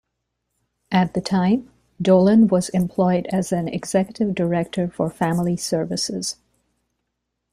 At the time, Dolin was employed as an executive director for family services.